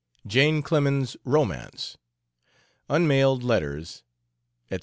JANE CLEMENS'S ROMANCE. UNMAILED LETTERS, ETC.